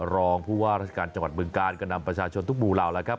รองผู้ว่าราชการจังหวัดเมืองกาลก็นำประชาชนทุกหมู่เหล่าแล้วครับ